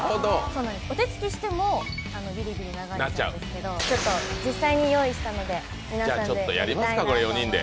お手つきしてもビリビリ流れるんですけど実際に用意したので皆さんでやりたいなと思います。